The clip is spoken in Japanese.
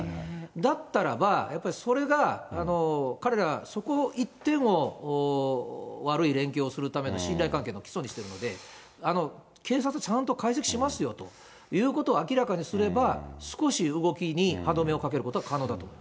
だったらば、やっぱりそれが、彼らはそこ一点を悪い連携をするための信頼関係の起訴にしてるので、警察、ちゃんと解析しますよということを明らかにすれば、少し動きに歯止めをかけることは可能だと思います。